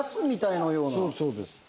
そうです。